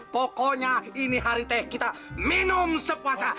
pokoknya ini hari teh kita minum sepuasa